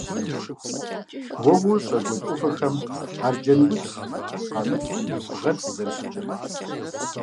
Уэ уощӀэ гуэл Ӏуфэхэм арджэнудз, къамыл, бгъэн къызэрыщыкӀыр.